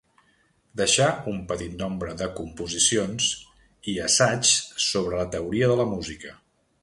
Deixà un petit nombre de composicions, i assaigs sobre la teoria de la música.